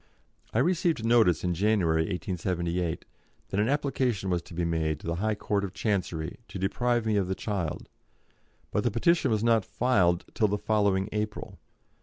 I received notice in January, 1878, that an application was to be made to the High Court of Chancery to deprive me of the child, but the petition was not filed till the following April.